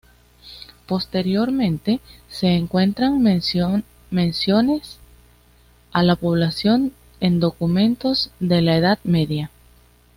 Posteriormente, se encuentran menciones a la población en documentos de la Edad Media.